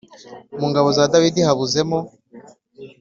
mu ngabo za Dawidi habuzemo